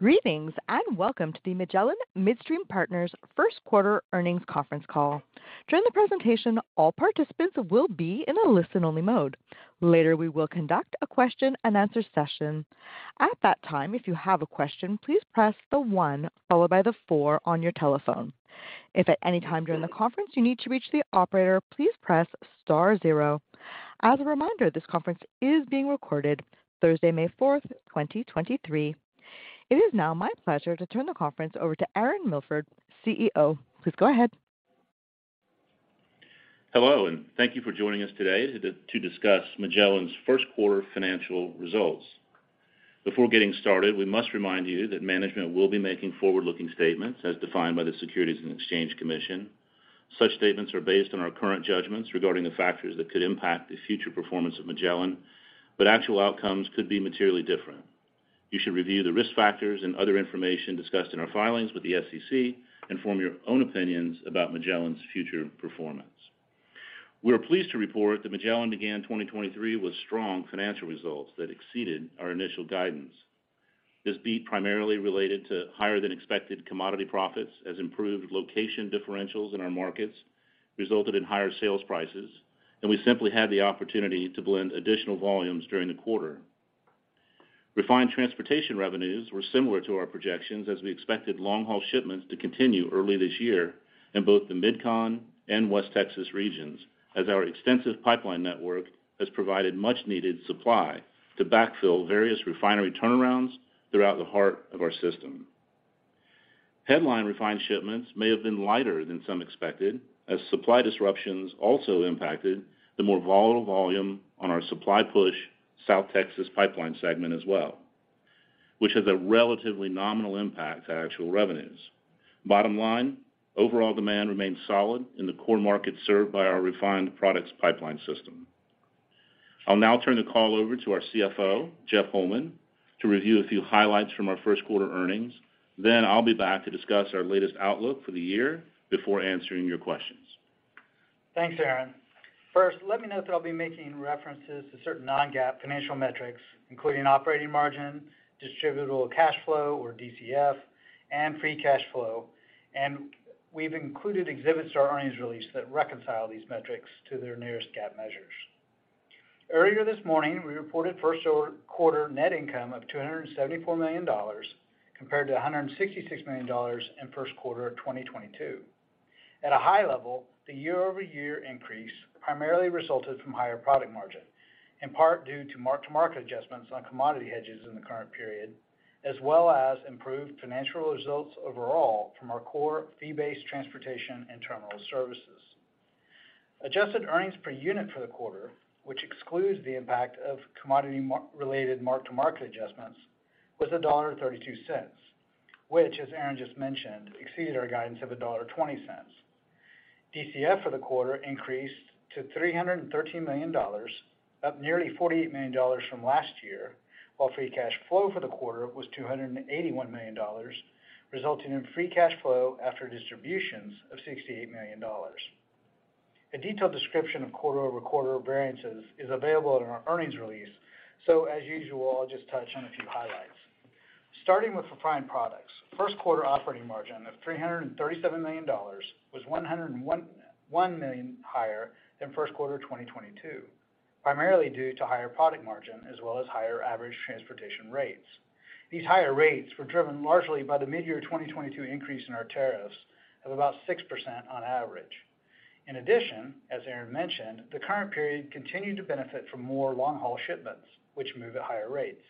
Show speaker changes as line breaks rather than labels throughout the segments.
Greetings, welcome to the Magellan Midstream Partners Q1 earnings conference call. During the presentation, all participants will be in a listen-only mode. Later, we will conduct a question-and-answer session. At that time, if you have a question, please press the one followed by the four on your telephone. If at any time during the conference you need to reach the operator, please press star zero. As a reminder, this conference is being recorded Thursday, May 4th, 2023. It is now my pleasure to turn the conference over to Aaron Milford, CEO. Please go ahead.
Hello, and thank you for joining us today to discuss Magellan's Q1 financial results. Before getting started, we must remind you that management will be making forward-looking statements as defined by the Securities and Exchange Commission. Such statements are based on our current judgments regarding the factors that could impact the future performance of Magellan, but actual outcomes could be materially different. You should review the risk factors and other information discussed in our filings with the SEC and form your own opinions about Magellan's future performance. We are pleased to report that Magellan began 2023 with strong financial results that exceeded our initial guidance. This beat primarily related to higher-than-expected commodity profits as improved location differentials in our markets resulted in higher sales prices, and we simply had the opportunity to blend additional volumes during the quarter. Refined transportation revenues were similar to our projections as we expected long-haul shipments to continue early this year in both the Mid-Con and West Texas regions, as our extensive pipeline network has provided much-needed supply to backfill various refinery turnarounds throughout the heart of our system. Headline refined shipments may have been lighter than some expected, as supply disruptions also impacted the more volatile volume on our supply-push South Texas pipeline segment as well, which has a relatively nominal impact to actual revenues. Bottom line, overall demand remains solid in the core markets served by our refined products pipeline system. I'll now turn the call over to our CFO, Jeff Holman, to review a few highlights from our Q1 earnings. I'll be back to discuss our latest outlook for the year before answering your questions.
Thanks, Aaron. First, let me note that I'll be making references to certain non-GAAP financial metrics, including operating margin, distributable cash flow, or DCF, and free cash flow. We've included exhibits to our earnings release that reconcile these metrics to their nearest GAAP measures. Earlier this morning, we reported Q1 net income of $274 million compared to $166 million in Q1 of 2022. At a high level, the year-over-year increase primarily resulted from higher product margin, in part due to mark-to-market adjustments on commodity hedges in the current period, as well as improved financial results overall from our core fee-based transportation and terminal services. Adjusted earnings per unit for the quarter, which excludes the impact of commodity related mark-to-market adjustments, was $1.32, which, as Aaron just mentioned, exceeded our guidance of $1.20. DCF for the quarter increased to $313 million, up nearly $48 million from last year, while free cash flow for the quarter was $281 million, resulting in free cash flow after distributions of $68 million. A detailed description of quarter-over-quarter variances is available in our earnings release. As usual, I'll just touch on a few highlights. Starting with refined products, Q1 operating margin of $337 million was 101 million higher than Q1 of 2022, primarily due to higher product margin as well as higher average transportation rates. These higher rates were driven largely by the midyear 2022 increase in our tariffs of about 6% on average. In addition, as Aaron mentioned, the current period continued to benefit from more long-haul shipments, which move at higher rates.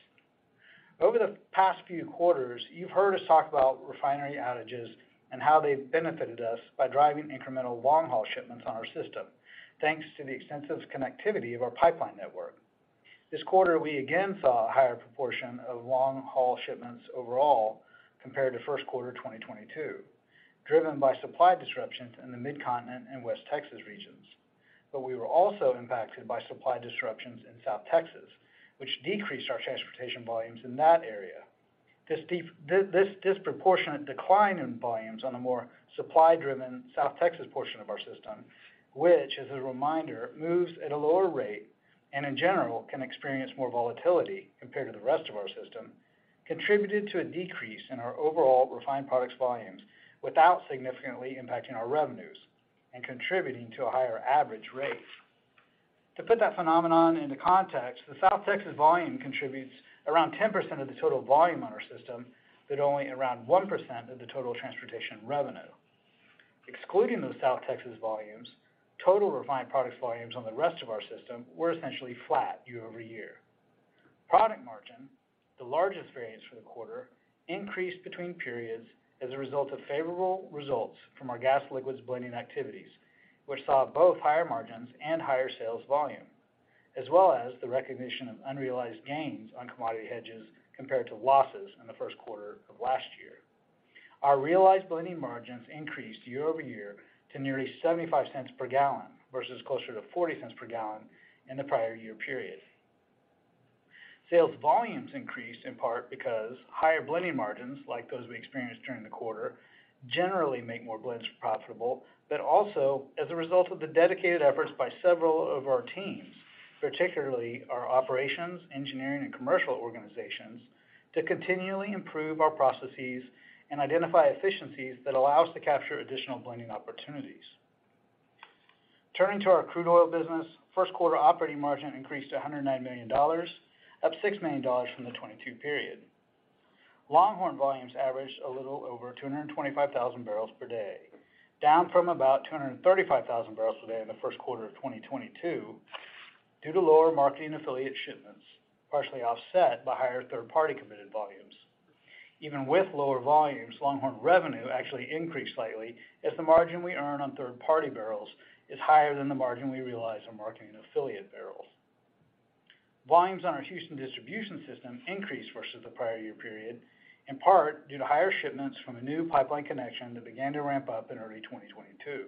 Over the past few quarters, you've heard us talk about refinery outages and how they've benefited us by driving incremental long-haul shipments on our system, thanks to the extensive connectivity of our pipeline network. This quarter, we again saw a higher proportion of long-haul shipments overall compared to Q1 of 2022, driven by supply disruptions in the Mid-Continent and West Texas regions. We were also impacted by supply disruptions in South Texas, which decreased our transportation volumes in that area. This disproportionate decline in volumes on a more supply-driven South Texas portion of our system, which, as a reminder, moves at a lower rate and in general can experience more volatility compared to the rest of our system, contributed to a decrease in our overall refined products volumes without significantly impacting our revenues and contributing to a higher average rate. To put that phenomenon into context, the South Texas volume contributes around 10% of the total volume on our system, but only around 1% of the total transportation revenue. Excluding those South Texas volumes, total refined products volumes on the rest of our system were essentially flat year-over-year. Product margin, the largest variance for the quarter, increased between periods as a result of favorable results from our gas liquids blending activities, which saw both higher margins and higher sales volume, as well as the recognition of unrealized gains on commodity hedges compared to losses in the Q1 of last year. Our realized blending margins increased year-over-year to nearly $0.75 per gallon versus closer to $0.40 per gallon in the prior year period. Sales volumes increased in part because higher blending margins, like those we experienced during the quarter, generally make more blends profitable, but also as a result of the dedicated efforts by several of our teams, particularly our operations, engineering, and commercial organizations. To continually improve our processes and identify efficiencies that allow us to capture additional blending opportunities. Turning to our crude oil business, Q1 operating margin increased to $109 million, up $6 million from the 2022 period. Longhorn volumes averaged a little over 225,000 barrels per day, down from about 235,000 barrels per day in the Q1 of 2022 due to lower marketing affiliate shipments, partially offset by higher third-party committed volumes. Even with lower volumes, Longhorn revenue actually increased slightly as the margin we earn on third-party barrels is higher than the margin we realize on marketing affiliate barrels. Volumes on our Houston distribution system increased versus the prior year period, in part due to higher shipments from a new pipeline connection that began to ramp up in early 2022,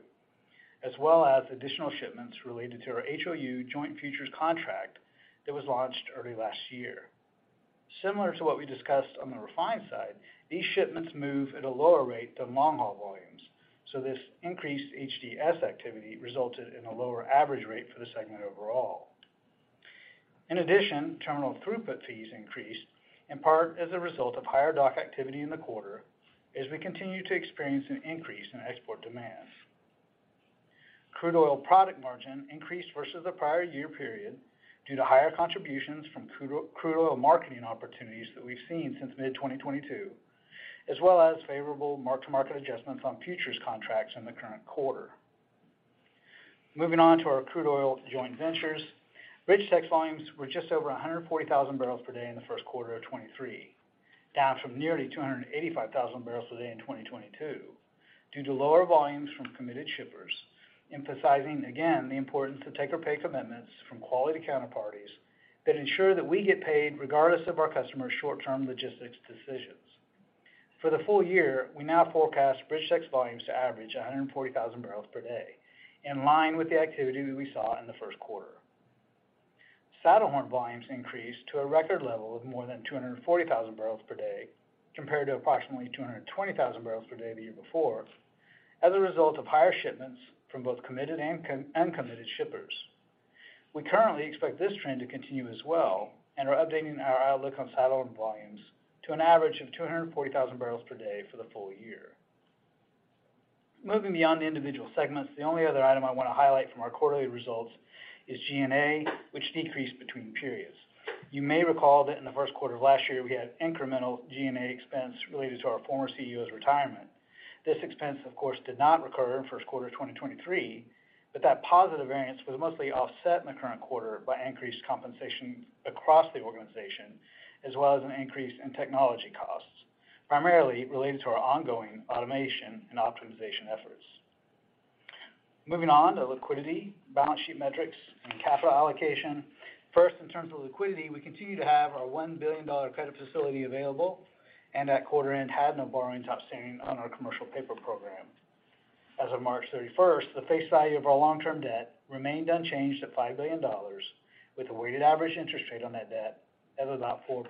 as well as additional shipments related to our HOU joint futures contract that was launched early last year. Similar to what we discussed on the refined side, these shipments move at a lower rate than Longhorn volumes, so this increased HDS activity resulted in a lower average rate for the segment overall. Terminal throughput fees increased, in part as a result of higher dock activity in the quarter as we continue to experience an increase in export demand. Crude oil product margin increased versus the prior year period due to higher contributions from crude oil marketing opportunities that we've seen since mid-2022, as well as favorable mark-to-market adjustments on futures contracts in the current quarter. Moving on to our crude oil joint ventures. Bridge Tex volumes were just over 140,000 barrels per day in the Q1 of 2023, down from nearly 285,000 barrels per day in 2022 due to lower volumes from committed shippers, emphasizing again the importance of take-or-pay commitments from quality counterparties that ensure that we get paid regardless of our customers' short-term logistics decisions. For the full year, we now forecast Bridge Tex volumes to average 140,000 barrels per day, in line with the activity we saw in the Q1. Saddle horn volumes increased to a record level of more than 240,000 barrels per day, compared to approximately 220,000 barrels per day the year before, as a result of higher shipments from both committed and uncommitted shippers. We currently expect this trend to continue as well and are updating our outlook on Saddlehorn volumes to an average of 240,000 barrels per day for the full year. Moving beyond the individual segments, the only other item I want to highlight from our quarterly results is G&A, which decreased between periods. You may recall that in the Q1 of last year, we had incremental G&A expense related to our former CEO's retirement. This expense, of course, did not recur in Q1 of 2023, but that positive variance was mostly offset in the current quarter by increased compensation across the organization as well as an increase in technology costs, primarily related to our ongoing automation and optimization efforts. Moving on to liquidity, balance sheet metrics, and capital allocation. In terms of liquidity, we continue to have our $1 billion credit facility available and at quarter-end had no borrowings outstanding on our commercial paper program. As of March 31st, the face value of our long-term debt remained unchanged at $5 billion, with a weighted average interest rate on that debt at about 4.4%.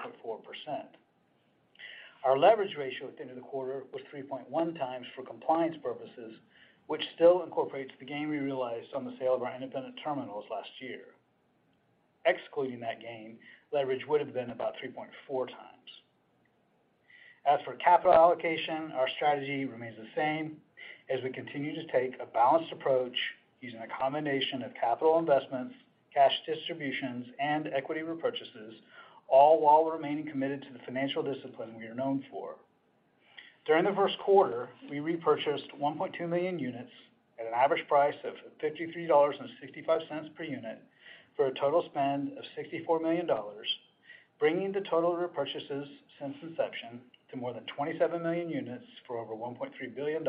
Our leverage ratio at the end of the quarter was 3.1x for compliance purposes, which still incorporates the gain we realized on the sale of our independent terminals last year. Excluding that gain, leverage would have been about 3.4x. For capital allocation, our strategy remains the same as we continue to take a balanced approach using a combination of capital investments, cash distributions, and equity repurchases, all while remaining committed to the financial discipline we are known for. During the Q1, we repurchased 1.2 million units at an average price of $53.65 per unit for a total spend of $64 million, bringing the total repurchases since inception to more than 27 million units for over $1.3 billion,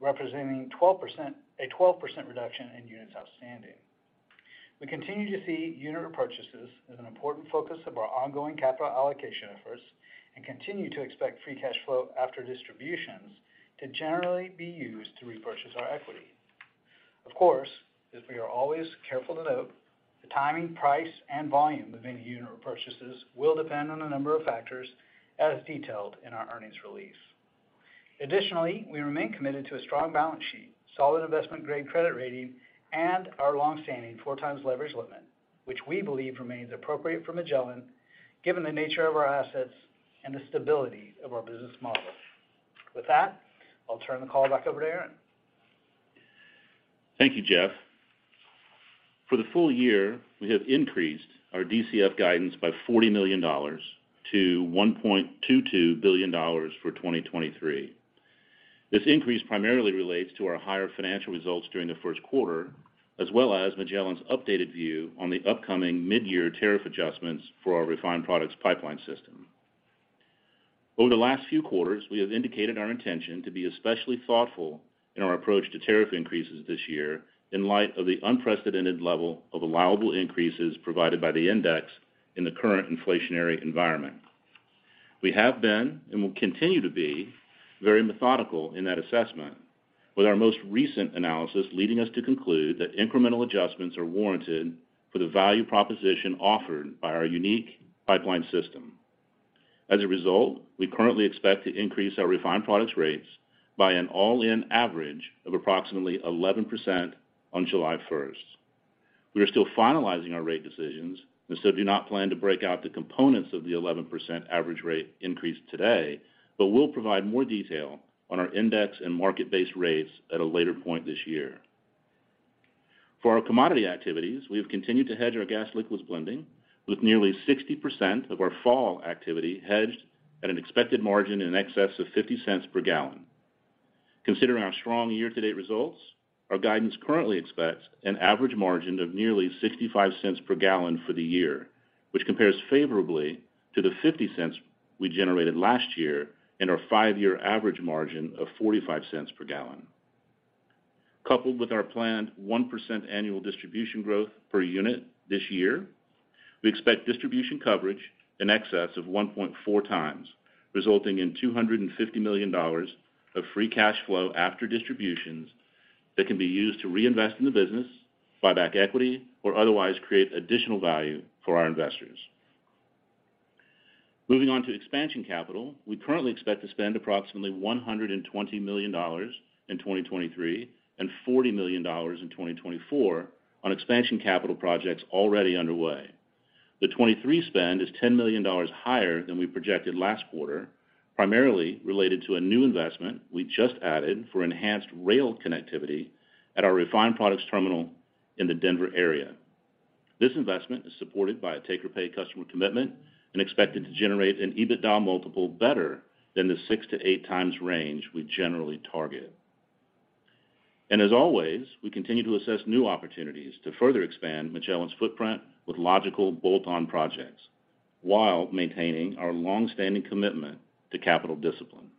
representing a 12% reduction in units outstanding. We continue to see unit repurchases as an important focus of our ongoing capital allocation efforts and continue to expect free cash flow after distributions to generally be used to repurchase our equity. Of course, as we are always careful to note, the timing, price, and volume of any unit repurchases will depend on a number of factors as detailed in our earnings release. Additionally, we remain committed to a strong balance sheet, solid investment-grade credit rating, and our long-standing four times leverage limit, which we believe remains appropriate for Magellan given the nature of our assets and the stability of our business model. With that, I'll turn the call back over to Aaron.
Thank you, Jeff. For the full year, we have increased our DCF guidance by $40 million to $1.22 billion for 2023. This increase primarily relates to our higher financial results during the Q1, as well as Magellan's updated view on the upcoming mid-year tariff adjustments for our refined products pipeline system. Over the last few quarters, we have indicated our intention to be especially thoughtful in our approach to tariff increases this year in light of the unprecedented level of allowable increases provided by the index in the current inflationary environment. We have been, and will continue to be, very methodical in that assessment, with our most recent analysis leading us to conclude that incremental adjustments are warranted for the value proposition offered by our unique pipeline system. As a result, we currently expect to increase our refined products rates by an all-in average of approximately 11% on July first. We are still finalizing our rate decisions and so do not plan to break out the components of the 11% average rate increase today, but we'll provide more detail on our index and market-based rates at a later point this year. For our commodity activities, we have continued to hedge our gas liquids blending with nearly 60% of our fall activity hedged at an expected margin in excess of $0.50 per gallon. Considering our strong year-to-date results, our guidance currently expects an average margin of nearly $0.65 per gallon for the year, which compares favorably to the $0.50 we generated last year and our five-year average margin of $0.45 per gallon. Coupled with our planned 1% annual distribution growth per unit this year, we expect distribution coverage in excess of 1.4x, resulting in $250 million of free cash flow after distributions that can be used to reinvest in the business, buy back equity, or otherwise create additional value for our investors. Moving on to expansion capital, we currently expect to spend approximately $120 million in 2023 and $40 million in 2024 on expansion capital projects already underway. The 2023 spend is $10 million higher than we projected last quarter, primarily related to a new investment we just added for enhanced rail connectivity at our refined products terminal in the Denver area. This investment is supported by a take-or-pay customer commitment and expected to generate an EBITDA multiple better than the six to eight times range we generally target. As always, we continue to assess new opportunities to further expand Magellan's footprint with logical bolt-on projects while maintaining our long-standing commitment to capital discipline.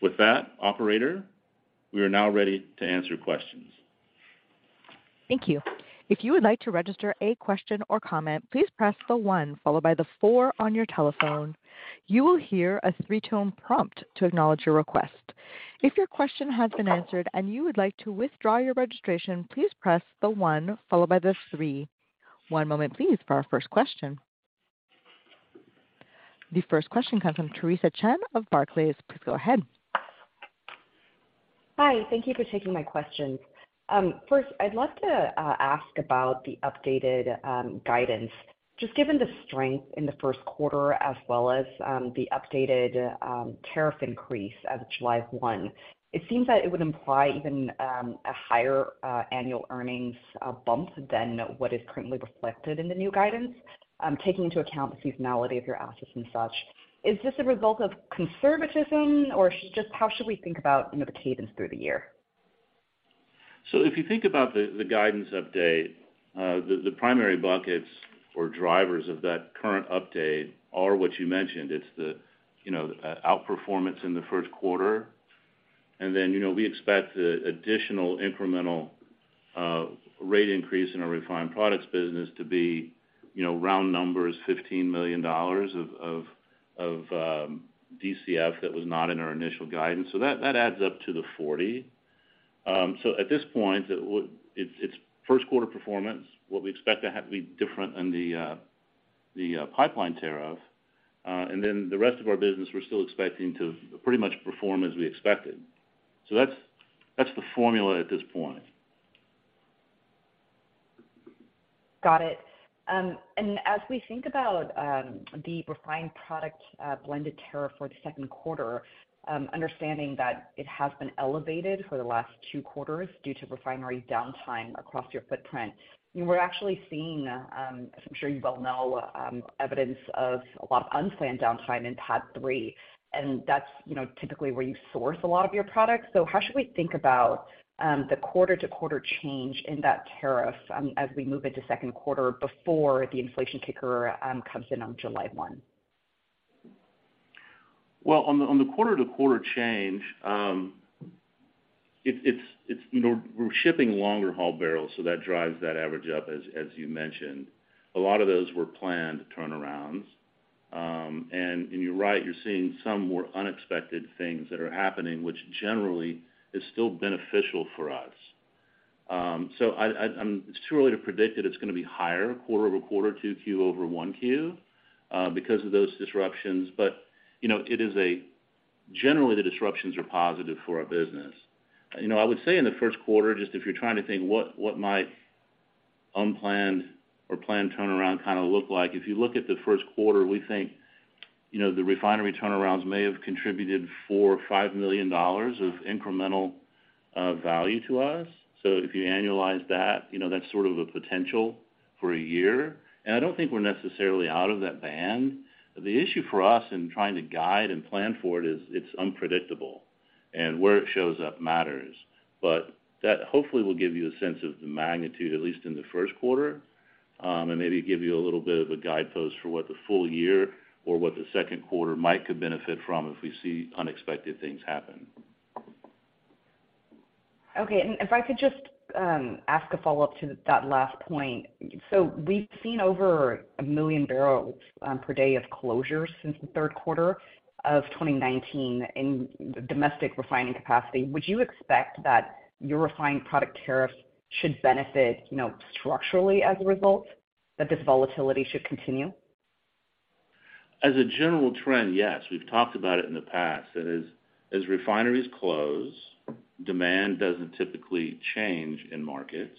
With that, operator, we are now ready to answer questions.
Thank you. If you would like to register a question or comment, please press the one followed by the four on your telephone. You will hear a three-tone prompt to acknowledge your request. If your question has been answered and you would like to withdraw your registration, please press the one followed by the three. One moment, please, for our first question. The first question comes from Theresa Chen of Barclays. Please go ahead.
Hi. Thank you for taking my questions. First, I'd love to ask about the updated guidance. Just given the strength in the Q1 as well as the updated tariff increase as of July 1st, it seems that it would imply even a higher annual earnings bump than what is currently reflected in the new guidance, taking into account the seasonality of your assets and such. Is this a result of conservatism or just how should we think about, you know, the cadence through the year?
If you think about the guidance update, the primary buckets or drivers of that current update are what you mentioned. It's the, you know, outperformance in the Q1, and then, you know, we expect the additional incremental rate increase in our refined products business to be, you know, round numbers, $15 million of DCF that was not in our initial guidance. That adds up to the 40. At this point, it's Q1 performance, what we expect to be different in the pipeline tariff, and then the rest of our business, we're still expecting to pretty much perform as we expected. That's the formula at this point.
Got it. As we think about the refined product blended tariff for the Q2, understanding that it has been elevated for the last two quarters due to refinery downtime across your footprint, we're actually seeing, as I'm sure you well know, evidence of a lot of unplanned downtime in PADD 3, and that's, you know, typically where you source a lot of your products. How should we think about the quarter-to-quarter change in that tariff, as we move into Q2 before the inflation kicker comes in on July 1st?
On the, on the quarter-to-quarter change, you know, we're shipping longer-haul barrels, so that drives that average up as you mentioned. A lot of those were planned turnarounds. And you're right, you're seeing some more unexpected things that are happening, which generally is still beneficial for us. So it's too early to predict that it's gonna be higher quarter over-quarter, 2Q over 1Q, because of those disruptions. You know, generally, the disruptions are positive for our business. You know, I would say in the Q1, just if you're trying to think what might unplanned or planned turnaround kinda look like, if you look at the Q1, we think, you know, the refinery turnarounds may have contributed $4 -$5 million of incremental value to us. If you annualize that, you know, that's sort of a potential for a year. I don't think we're necessarily out of that band. The issue for us in trying to guide and plan for it is it's unpredictable, and where it shows up matters. That hopefully will give you a sense of the magnitude, at least in the Q1, and maybe give you a little bit of a guidepost for what the full year or what the Q2 might benefit from if we see unexpected things happen.
If I could just ask a follow-up to that last point. We've seen over one million barrels per day of closures since the Q3 of 2019 in domestic refining capacity. Would you expect that your refined product tariff should benefit, you know, structurally as a result that this volatility should continue?
As a general trend, yes. We've talked about it in the past. That is, as refineries close, demand doesn't typically change in markets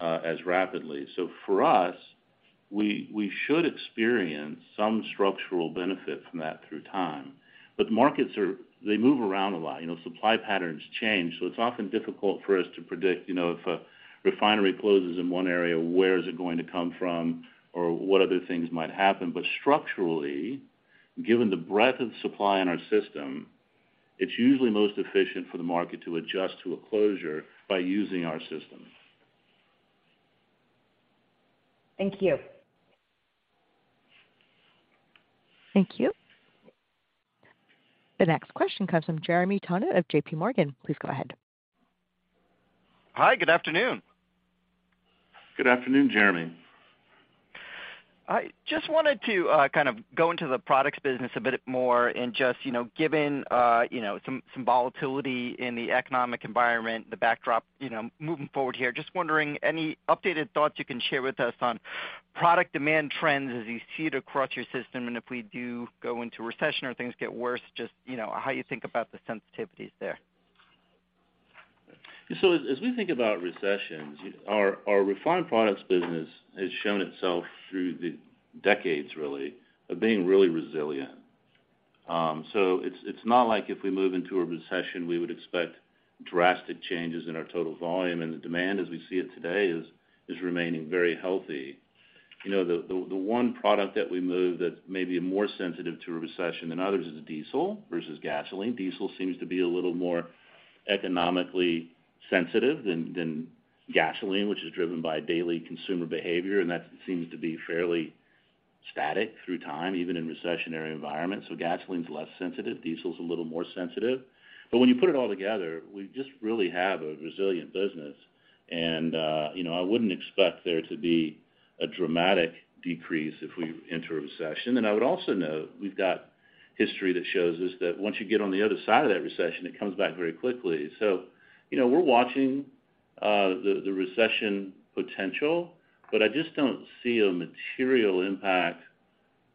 as rapidly. For us, we should experience some structural benefit from that through time. Markets they move around a lot, you know, supply patterns change, so it's often difficult for us to predict, you know, if a refinery closes in one area, where is it going to come from or what other things might happen. Structurally, given the breadth of supply in our system, it's usually most efficient for the market to adjust to a closure by using our system.
Thank you.
Thank you. The next question comes from Jeremy Tonet of J.P. Morgan. Please go ahead.
Hi, good afternoon.
Good afternoon, Jeremy.
I just wanted to, kind of go into the products business a bit more and just, you know, given, you know, some volatility in the economic environment, the backdrop, you know, moving forward here, just wondering any updated thoughts you can share with us on product demand trends as you see it across your system? If we do go into recession or things get worse, just, you know, how you think about the sensitivities there?
As we think about recessions, our refined products business has shown itself through the decades really of being really resilient. It's not like if we move into a recession, we would expect drastic changes in our total volume. The demand as we see it today is remaining very healthy. You know, the one product that we move that may be more sensitive to a recession than others is diesel versus gasoline. Diesel seems to be a little more economically sensitive than gasoline, which is driven by daily consumer behavior, and that seems to be fairly static through time, even in recessionary environments. Gasoline's less sensitive, diesel's a little more sensitive. When you put it all together, we just really have a resilient business. You know, I wouldn't expect there to be a dramatic decrease if we enter a recession. I would also note we've got history that shows us that once you get on the other side of that recession, it comes back very quickly. You know, we're watching the recession potential, but I just don't see a material impact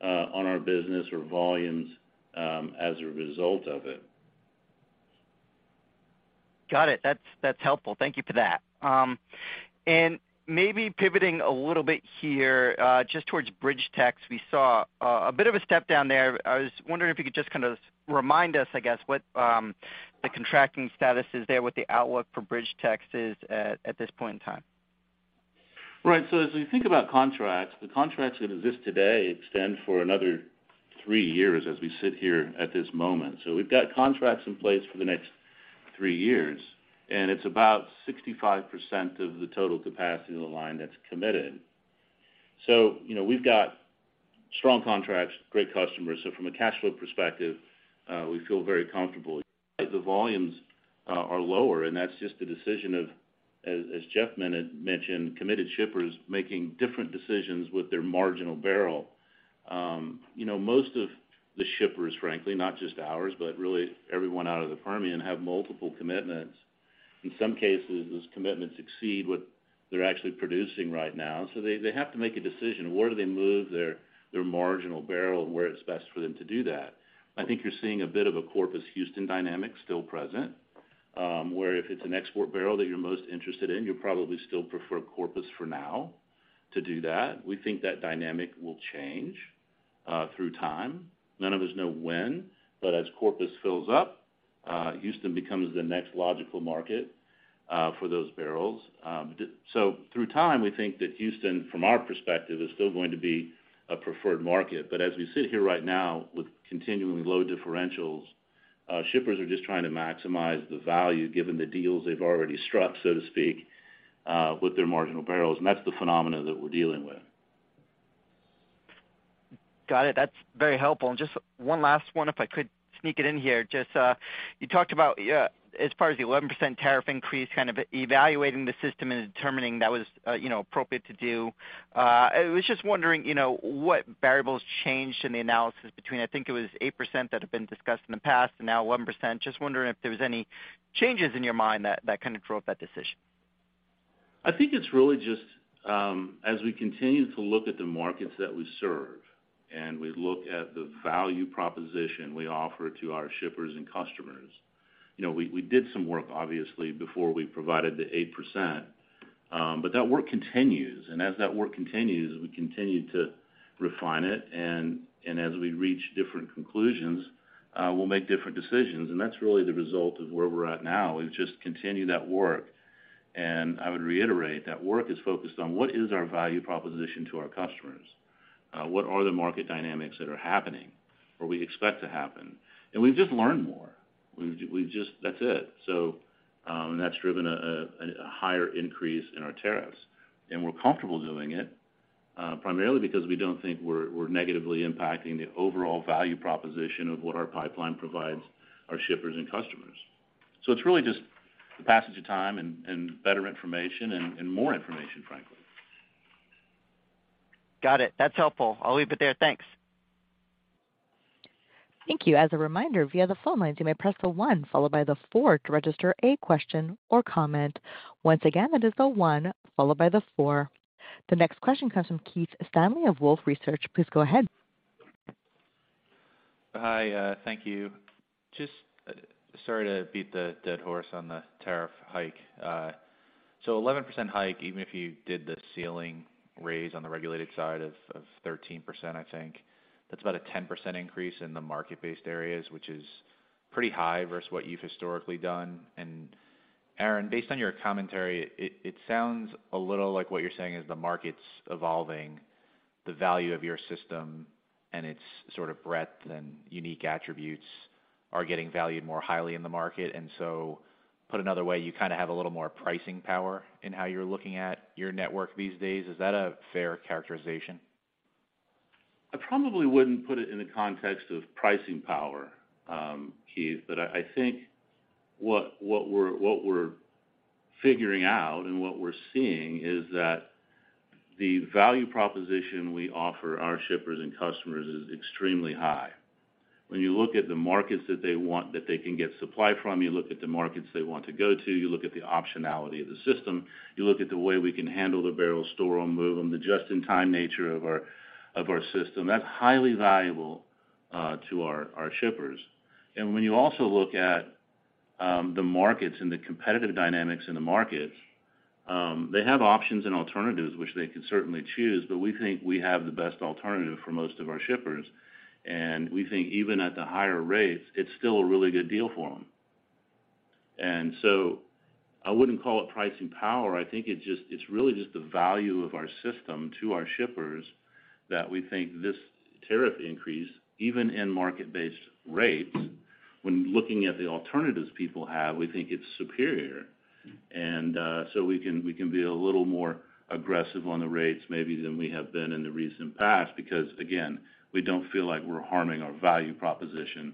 on our business or volumes as a result of it.
Got it. That's helpful. Thank you for that. Maybe pivoting a little bit here, just towards Bridge Tex, we saw a bit of a step down there. I was wondering if you could just kind of remind us, I guess, what the contracting status is there, what the outlook for Bridge Tex is at this point in time.
Right. As we think about contracts, the contracts that exist today extend for another three years as we sit here at this moment. We've got contracts in place for the next three years, and it's about 65% of the total capacity of the line that's committed. You know, we've got strong contracts, great customers. From a cash flow perspective, we feel very comfortable. The volumes are lower, and that's just a decision of, as Jeff mentioned, committed shippers making different decisions with their marginal barrel. You know, most of the shippers, frankly, not just ours, but really everyone out of the Permian have multiple commitments. In some cases, those commitments exceed what they're actually producing right now. They have to make a decision, where do they move their marginal barrel and where it's best for them to do that. I think you're seeing a bit of a Corpus Houston dynamic still present, where if it's an export barrel that you're most interested in, you'll probably still prefer Corpus for now to do that. We think that dynamic will change through time. None of us know when, but as Corpus fills up, Houston becomes the next logical market for those barrels. Through time, we think that Houston, from our perspective, is still going to be a preferred market. As we sit here right now with continually low differentials, shippers are just trying to maximize the value given the deals they've already struck, so to speak, with their marginal barrels, and that's the phenomena that we're dealing with.
Got it. That's very helpful. Just one last one, if I could sneak it in here. Just, you talked about, as far as the 11% tariff increase, kind of evaluating the system and determining that was, you know, appropriate to do. I was just wondering, you know, what variables changed in the analysis between, I think it was 8% that had been discussed in the past and now 11%. Just wondering if there was any changes in your mind that kind of drove that decision?
I think it's really just, as we continue to look at the markets that we serve and we look at the value proposition we offer to our shippers and customers, you know, we did some work obviously before we provided the eight percent, but that work continues. As that work continues, we continue to refine it, and as we reach different conclusions, we'll make different decisions. That's really the result of where we're at now, is just continue that work. I would reiterate, that work is focused on what is our value proposition to our customers? What are the market dynamics that are happening or we expect to happen? We've just learned more. We've just that's it. That's driven a higher increase in our tariffs. We're comfortable doing it, primarily because we don't think we're negatively impacting the overall value proposition of what our pipeline provides our shippers and customers. It's really just the passage of time and better information and more information, frankly.
Got it. That's helpful. I'll leave it there. Thanks.
Thank you. As a reminder, via the phone lines, you may press the one followed by the four to register a question or comment. Once again, it is the one followed by the four. The next question comes from Keith Stanley of Wolfe Research. Please go ahead.
Hi. Thank you. Just sorry to beat the dead horse on the tariff hike. 11% hike, even if you did the ceiling raise on the regulated side of 13%, I think that's about a 10% increase in the market-based areas, which is pretty high versus what you've historically done. Aaron, based on your commentary, it sounds a little like what you're saying is the market's evolving the value of your system, and its sort of breadth and unique attributes are getting valued more highly in the market. Put another way, you kind of have a little more pricing power in how you're looking at your network these days. Is that a fair characterization?
I probably wouldn't put it in the context of pricing power, Keith, but I think what we're figuring out and what we're seeing is that the value proposition we offer our shippers and customers is extremely high. When you look at the markets that they want, that they can get supply from, you look at the markets they want to go to, you look at the optionality of the system, you look at the way we can handle the barrel store and move them, the just-in-time nature of our system, that's highly valuable to our shippers. When you also look at the markets and the competitive dynamics in the markets, they have options and alternatives which they can certainly choose, but we think we have the best alternative for most of our shippers. We think even at the higher rates, it's still a really good deal for them. I wouldn't call it pricing power. I think it's really just the value of our system to our shippers that we think this tariff increase, even in market-based rates, when looking at the alternatives people have, we think it's superior. We can be a little more aggressive on the rates maybe than we have been in the recent past because, again, we don't feel like we're harming our value proposition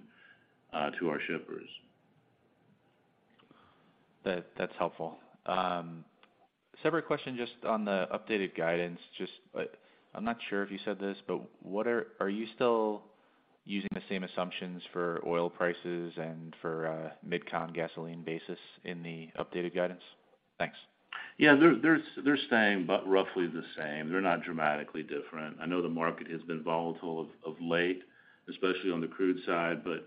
to our shippers.
That's helpful. Separate question just on the updated guidance. Just, I'm not sure if you said this, but what are you still using the same assumptions for oil prices and for Mid-Con gasoline basis in the updated guidance? Thanks.
Yeah, they're staying about roughly the same. They're not dramatically different. I know the market has been volatile of late, especially on the crude side. You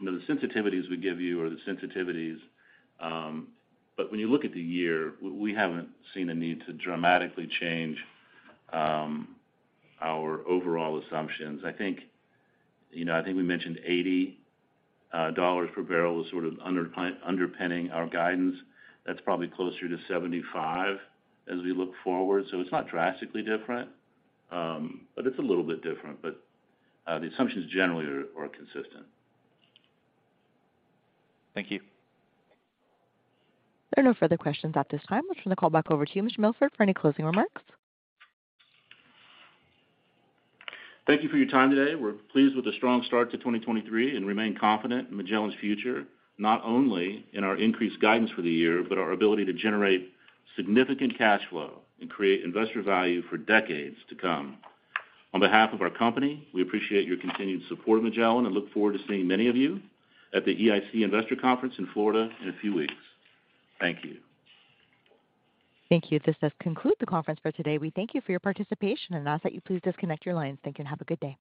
know, the sensitivities we give you are the sensitivities. When you look at the year, we haven't seen a need to dramatically change our overall assumptions. I think, you know, I think we mentioned $80 per barrel is sort of underpinning our guidance. That's probably closer to $75 as we look forward. It's not drastically different, but it's a little bit different. The assumptions generally are consistent.
Thank you.
There are no further questions at this time. Let's turn the call back over to you, Mr. Milford, for any closing remarks.
Thank you for your time today. We're pleased with the strong start to 2023 and remain confident in Magellan's future, not only in our increased guidance for the year, but our ability to generate significant cash flow and create investor value for decades to come. On behalf of our company, we appreciate your continued support of Magellan and look forward to seeing many of you at the EIC Investor Conference in Florida in a few weeks. Thank you.
Thank you. This does conclude the conference for today. We thank you for your participation and ask that you please disconnect your lines. Thank you and have a good day.